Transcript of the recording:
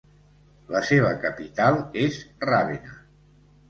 La seva capital és Ravenna.